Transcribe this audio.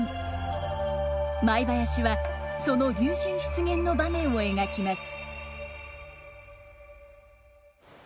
舞囃子はその龍神出現の場面を描きます。